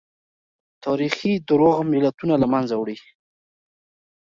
تاريخي دروغ ملتونه له منځه وړي.